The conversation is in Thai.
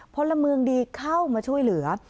พลเมืองดีเข้ามาช่วยเหลือ